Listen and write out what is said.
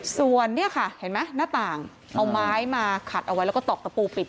ส่วนเนี่ยค่ะเห็นไหมหน้าต่างเอาไม้มาขัดเอาไว้แล้วก็ตอกตะปูปิด